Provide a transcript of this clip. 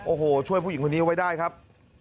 โอ้โหช่วยผู้หญิงคนนี้ไว้ได้ครับ